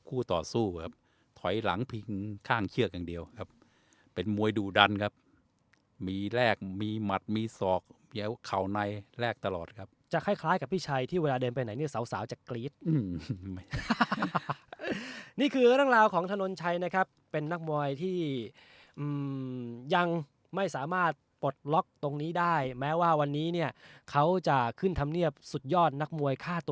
ต่อสู้ครับถอยหลังพิงข้างเชือกอย่างเดียวครับเป็นมวยดุดันครับมีแรกมีหมัดมีศอกเดี๋ยวเข่าในแรกตลอดครับจะคล้ายคล้ายกับพี่ชัยที่เวลาเดินไปไหนเนี่ยสาวจะกรี๊ดนี่คือเรื่องราวของถนนชัยนะครับเป็นนักมวยที่ยังไม่สามารถปลดล็อกตรงนี้ได้แม้ว่าวันนี้เนี่ยเขาจะขึ้นธรรมเนียบสุดยอดนักมวยค่าต